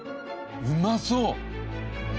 うまそう！